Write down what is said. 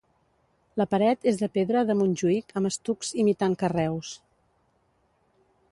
La paret és de pedra de Montjuïc amb estucs imitant carreus.